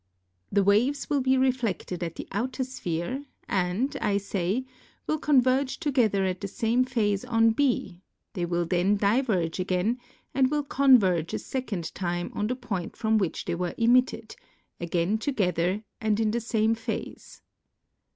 The waves will be reflected at the outer sphere and, I say, will converge together at the same phase on B ; they will then diverge again and will converge a second time on the point Trom which they were emitted, again together and in the same phase.